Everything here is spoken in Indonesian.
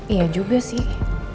iya juga sih